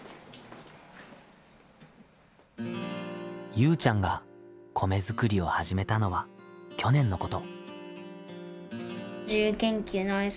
ゆうちゃんが米作りを始めたのは去年のこと。